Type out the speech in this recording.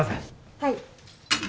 はい。